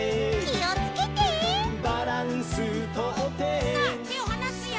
「バランスとって」さあてをはなすよ。